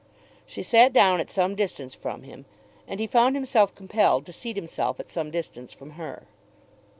She sat down at some distance from him, and he found himself compelled to seat himself at some little distance from her.